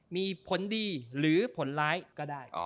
มีผลดีหรือผลร้ายก็ได้